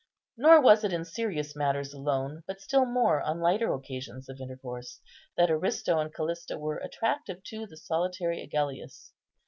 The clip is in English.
Nor was it in serious matters alone, but still more on lighter occasions of intercourse, that Aristo and Callista were attractive to the solitary Agellius.